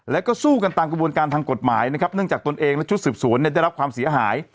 แล้วก็สู้กันตามกระบวนการทางกฎหมายนะครับเนื่องจากตนเองและชุดสืบสวนเนี่ยได้รับความเสียหาย